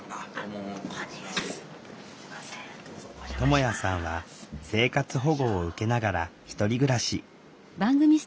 ともやさんは生活保護を受けながら１人暮らし。